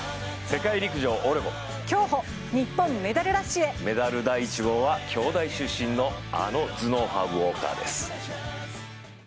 世界陸上オレゴン競歩日本メダルラッシュへメダル第１号は京大出身のあの頭脳派ウォーカーです